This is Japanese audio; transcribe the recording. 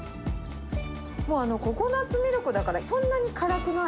もう、ココナツミルクだからそんなに辛くない。